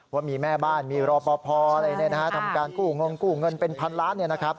ว่ามีแม่บ้านมีรอปภทำการกู้งงกู้เงินเป็นพันล้าน